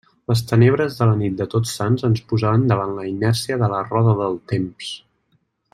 Les tenebres de la nit de Tots Sants ens posaven davant la inèrcia de la roda del temps.